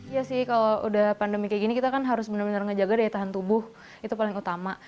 iya sih kalau udah pandemi kayak gini kita kan harus benar benar ngejaga daya tahan tubuh itu paling utama